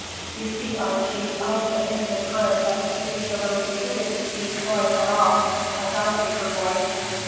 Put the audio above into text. "You see, Archie, Elsa isn't a part that's particularly suited to Thea's voice at all, as I see her voice.